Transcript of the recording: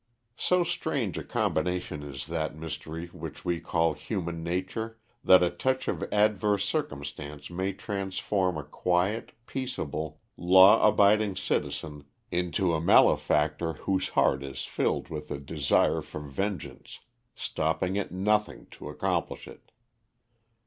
So strange a combination is that mystery which we term Human Nature, that a touch of adverse circumstance may transform a quiet, peaceable, law abiding citizen into a malefactor whose heart is filled with a desire for vengeance, stopping at nothing to accomplish it.